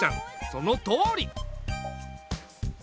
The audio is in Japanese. そのとおり！